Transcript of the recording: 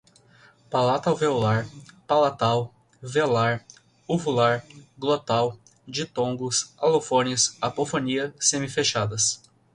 Palato-alveolar, palatal, velar, uvular, glotal, ditongos, alofones, apofonia, semifechadas